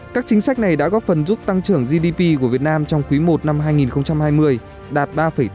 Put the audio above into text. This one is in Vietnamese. các chính sách này đã góp phần giúp tăng trưởng gdp của việt nam trong quý i năm hai nghìn hai mươi đạt ba tám